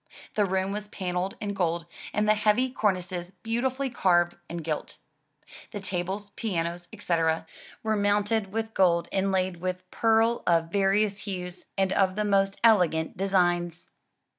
The room was panelled in gold, and the heavy cornices beautifully carved and gilt. The tables, pianos, etc., were mounted with gold inlaid with pearl of various hues, and of the most elegant designs.